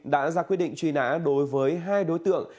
đã ra quyết định truy nã đối với hai đối tượng